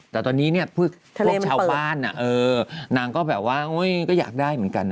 แต่ตอนนี้เนี่ยพวกชาวบ้านนางก็แบบว่าก็อยากได้เหมือนกันนะ